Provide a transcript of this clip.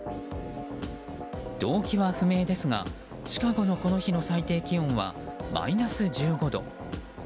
動機は不明ですがシカゴのこの日の最低気温はマイナス１５度。